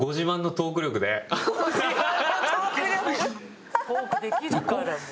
トークできるから。